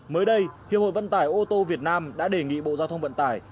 mới đây hiệp hội vận tải ô tô việt nam đã đề nghị bộ giao thông vận tải